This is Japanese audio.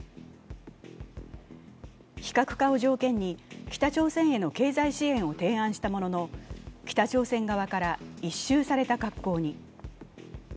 非核化を条件に北朝鮮への経済支援を提案したものの、北朝鮮側から一蹴された格好に。